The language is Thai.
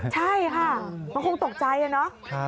ใช่ค่ะมันคงตกใจอะเนาะ